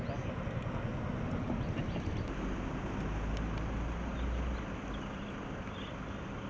สวัสดีทุกคน